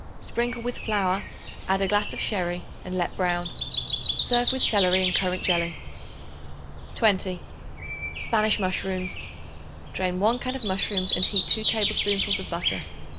Sprinkle with flour; add a glass of sherry and let brown. Serve with celery and currant jelly. 20. Spanish Mushrooms. Drain 1 can of mushrooms and heat 2 tablespoonfuls of butter.